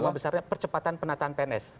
bahwa besarnya percepatan penataan pns